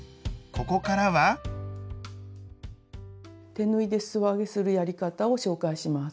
手縫いですそ上げするやり方を紹介します。